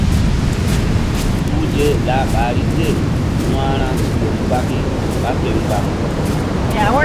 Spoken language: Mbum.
Suhze lah ɓahri se wa̧hra ke mbaki ɓa fe mgba̧m.